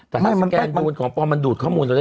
ชั่นดูมันเปิ้ลของป๊อมดูดข้อมูลเลย